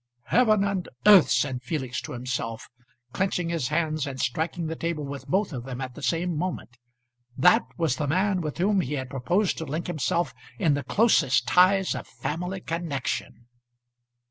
"Heaven and earth!" said Felix to himself, clenching his hands and striking the table with both of them at the same moment. That was the man with whom he had proposed to link himself in the closest ties of family connection.